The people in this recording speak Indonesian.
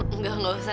enggak enggak usah